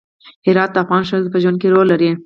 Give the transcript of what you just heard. هرات د افغان ښځو په ژوند کې رول لري.